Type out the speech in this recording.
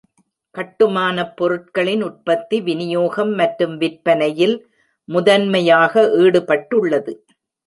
கட்டுமானப் பொருட்களின் உற்பத்தி, விநியோகம் மற்றும் விற்பனையில் முதன்மையாக ஈடுபட்டுள்ளது.